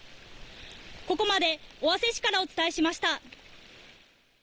ここまで尾鷲市からお伝えしました。